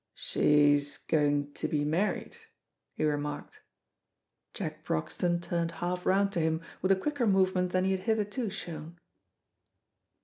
"She's going to be married," he remarked. Jack Broxton turned half round to him with a quicker movement than he had hitherto shown.